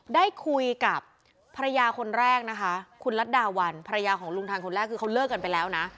ได้คุยกับภรรยาคนแรกนะคะคุณรัฐดาวันภรรยาของลุงทันคนแรกคือเขาเลิกกันไปแล้วนะ